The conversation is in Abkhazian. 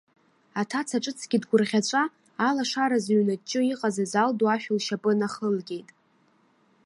Аҭаца ҿыцгьы дгәырӷьаҵәа, алашара зыҩнаҷҷа иҟаз азал ду ашә лшьапы нахылгеит.